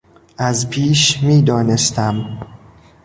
از پیش میدانستم.